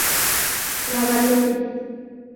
La Valette